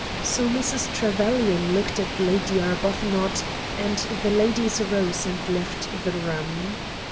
So Mrs. Trevelyan looked at Lady Arbuthnot, and the ladies rose and left the room.